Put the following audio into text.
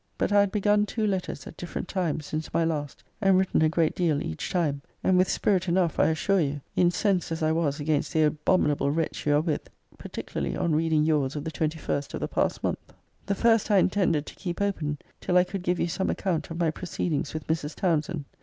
But I had begun two letters at differ ent times since my last, and written a great deal >>> each time; and with spirit enough, I assure you; incensed as I was against the abominable wretch you are with; particularly on reading your's of the 21st of the past month.* * See Vol. IV. Letter XLVI. >>> The first I intended to keep open till I could give you some account of my proceedings with Mrs. Townsend.